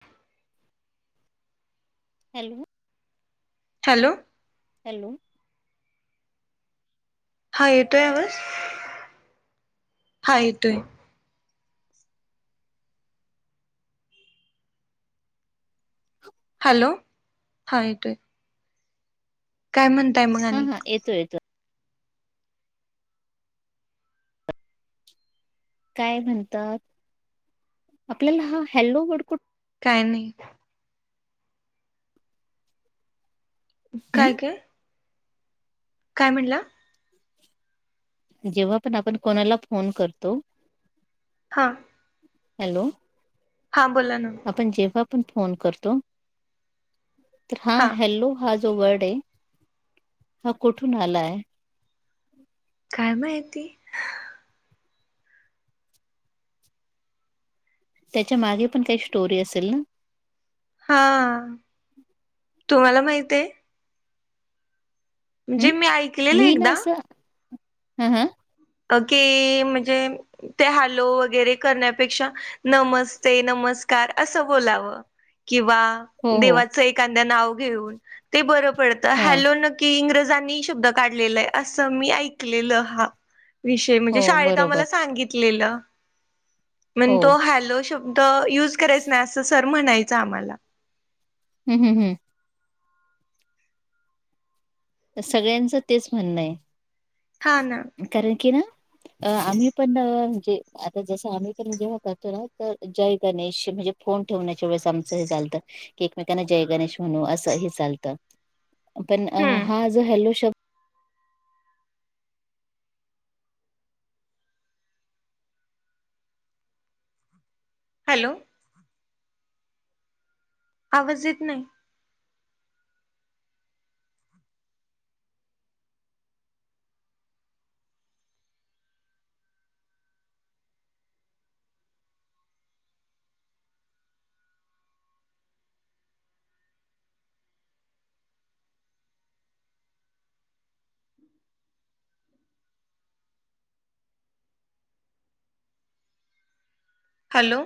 हां hello hello hello हा येतोय आवाज हा येतोय हॅलो हा यट आहे काय म्हणताय मगा आणि ते काय म्हणतात आपल्याला हा हॅलो वडकुट काही नाही काय हम्म काय काय म्हणला जेव्हा पण आपण कोणाला फोन करतो हां हॅलो हां बोला ना जेव्हाण फनतो हा हलो जो वड आहे हा कुठून आला आहे काय माहिती त्याच्या मागे पण काही स्टोरी असेल ना हा तुम्हाला माहित आहे म्हणजे मी हम् ऐकलेलं मी ना एकदा असं हा हा अ कि म्हणजे ते हॅलो वगैरे करण्यापेक्षा नमस्ते नमस्कार असं बोलावं किंवा हो हो देवाच एकद्या नाव घेऊन ते बरं पडत हा हॅलो न की इंग्रजांनी शब्द काढलेला आहे असं मी ऐकलेलं हा विषय हो म्हणजे शाळेत बरोबर आम्हाला सांगितलेलं हो मण तो हॅलो शब्द युज करायचा नाही असं सर म्हणायचं आम्हाला हम् हम हम तर सगळ्यांचं तेच म्हणणं हा ना आहे कारण की ना. अ आम्ही पण म्हणजे आता जस आम्ही पण जेव्हा करतो ना तर जय गणेश म्हणजे. फोन ठेवण्याच्या वेळेस आमचं हे चालतं की एकमेकांना जय गणेश म्हणू असं हे चालतं. पण हम्म हा जो हॅल्लो शब्द. हॅलो,, आवाज येत नाही. Hello.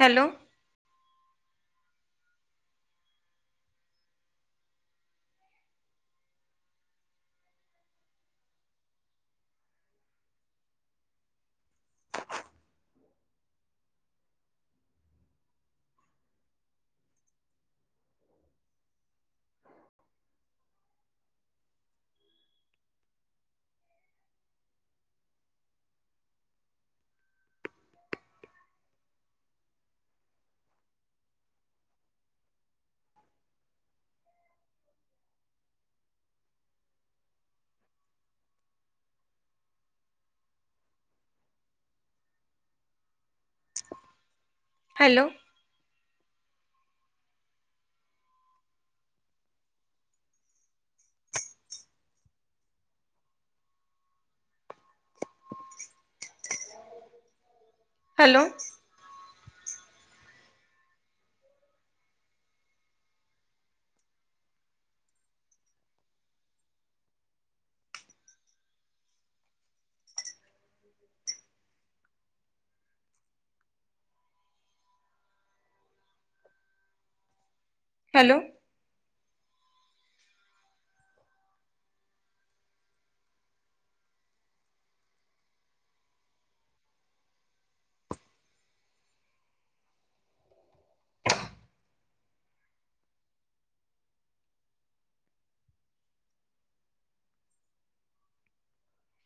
Hello. Hello. Hello,, hello,,